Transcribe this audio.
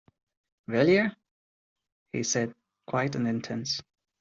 “Will yer?” he said, quiet and intense.